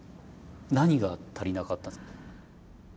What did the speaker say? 何が足りなかったんですか？